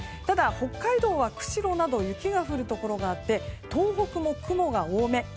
ただ、北海道は釧路など雪が降るところがあって東北も雲が多め。